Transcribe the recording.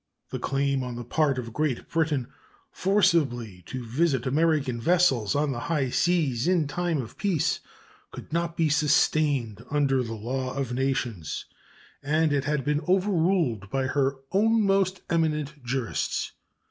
The claim on the part of Great Britain forcibly to visit American vessels on the high seas in time of peace could not be sustained under the law of nations, and it had been overruled by her own most eminent jurists.